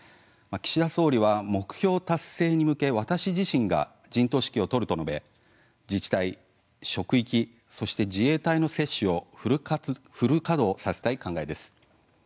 岸田総理は目標達成に向け私自身が陣頭指揮を執ると述べ自治体、職域、自衛隊の接種をフル稼働させたい考えです。